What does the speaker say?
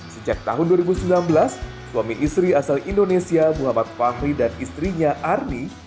sejak tahun dua ribu sembilan belas suami istri asal indonesia muhammad fahri dan istrinya arni